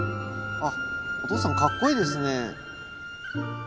お父さんかっこいいですね。